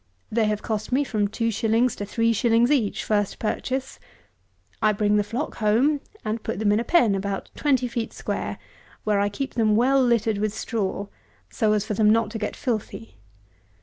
They have cost me from two shillings to three shillings each, first purchase. I bring the flock home, and put them in a pen, about twenty feet square, where I keep them well littered with straw, so as for them not to get filthy.